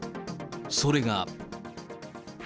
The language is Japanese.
それが。